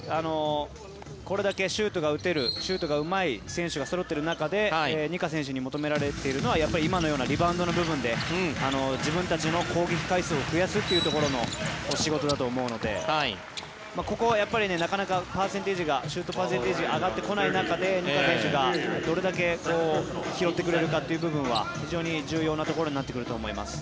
これだけシュートが打てるシュートがうまい選手がそろっている中でニカ選手に求められているのはやっぱり今のようなリバウンドの部分で自分たちの攻撃回数を増やすというところの仕事だと思うのでここはなかなかシュートパーセンテージが上がってこない中でニカ選手がどれだけ拾ってくれるかという部分は非常に重要なところになってくると思います。